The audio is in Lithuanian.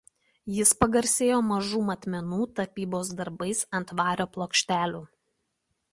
Jis pagarsėjo mažų matmenų tapybos darbais ant vario plokštelių.